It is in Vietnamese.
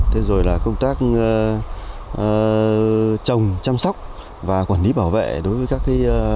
thế rồi là công tác trồng chăm sóc và quản lý bảo vệ đối với các diện tích rừng trên địa bàn